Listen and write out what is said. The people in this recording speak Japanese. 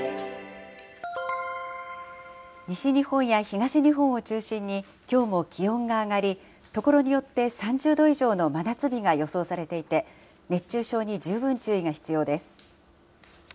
西日本や東日本を中心にきょうも気温が上がり、所によって３０度以上の真夏日が予想されていて、熱中症に十分注意が必要です。